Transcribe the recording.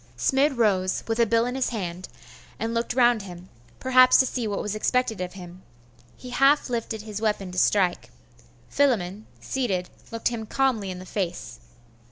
Smid rose, with a bill in his hand, and looked round him perhaps to see what was expected of him. He half lifted his weapon to strike .... Philammon, seated, looked him calmly in the face....